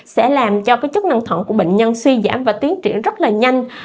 sẽ làm cho chức năng thận của bệnh nhân suy giảm và tiến triển rất nhanh